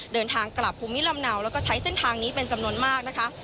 เดินทางกลับภูมิลำเนาแล้วก็ใช้เส้นทางนี้เป็นจำนวนมากนะคะ